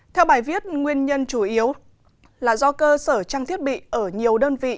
theo bài viết nguyên nhân chủ yếu là do cơ sở trang thiết bị ở nhiều đơn vị